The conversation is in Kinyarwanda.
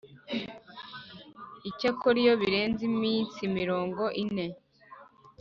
Icyakora iyo birenze iminsi mirongo ine